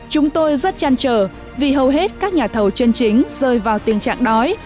chúng tôi rất chăn trở vì hầu hết các nhà thầu chân chính rơi vào tình trạng đói